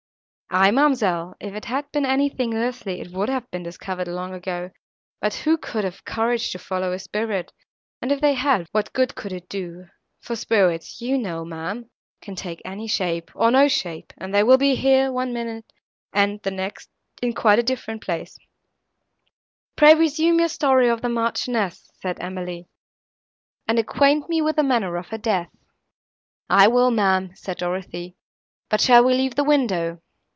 "Aye, ma'amselle, if it had been anything earthly it would have been discovered long ago, but who could have courage to follow a spirit, and if they had, what good could it do?—for spirits, you know, ma'am, can take any shape, or no shape, and they will be here, one minute, and, the next perhaps, in a quite different place!" "Pray resume your story of the Marchioness," said Emily, "and acquaint me with the manner of her death." "I will, ma'am," said Dorothée, "but shall we leave the window?"